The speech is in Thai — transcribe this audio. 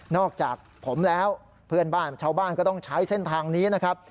อกจากผมแล้วเพื่อนบ้านชาวบ้านก็ต้องใช้เส้นทางนี้นะครับ